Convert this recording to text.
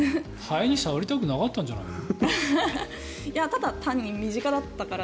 ハエに触りたくなかったんじゃないの？